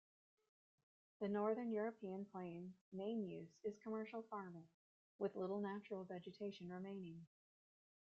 The Northern European Plain's main use is commercial farming, with little natural vegetation remaining.